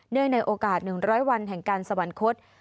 เนื่องในโอกาส๑๐๐วันแห่งการสวรรคุศ